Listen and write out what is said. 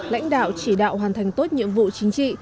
lãnh đạo chỉ đạo hoàn thành tốt nhiệm vụ chính trị